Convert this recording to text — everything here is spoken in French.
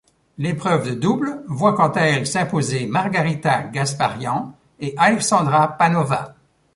L'épreuve de double voit quant à elle s'imposer Margarita Gasparyan et Alexandra Panova.